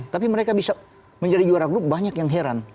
tapi mereka bisa menjadi juara grup banyak yang heran